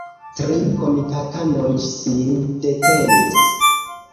Tri komitatanoj sin detenis.